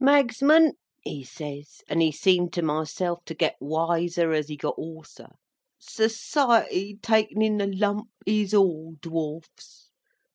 "Magsman," he says, and he seemed to myself to get wiser as he got hoarser; "Society, taken in the lump, is all dwarfs.